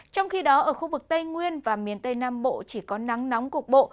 trong khi đó ở khu vực tây nguyên và miền tây nam bộ chỉ có nắng nóng cục bộ